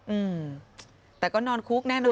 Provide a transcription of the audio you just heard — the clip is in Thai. อืมแต่ก็นอนคุกแน่นอน